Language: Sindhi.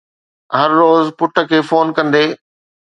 هر روز پٽ کي فون ڪندي